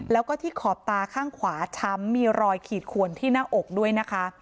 แล้วก็ที่ขอบตาข้างขวาช้ำมีรอยขีดขวนที่หน้าอกด้วยนะคะ